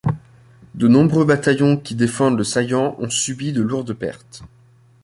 De nombreux bataillons qui défendent le saillant ont subi de lourdes pertes.